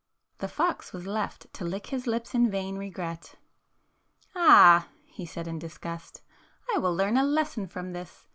The fox was left to lick his lips in vain regret. ''Ah!" he said in disgust, "I will learn a lesson from this.